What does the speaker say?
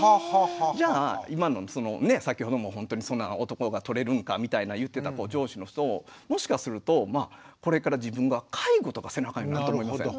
じゃあ先ほどもほんとに男がとれるんかみたいな言ってた上司の人ももしかするとこれから自分が介護とかせなあかんようになると思いません？